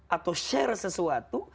atau share sesuatu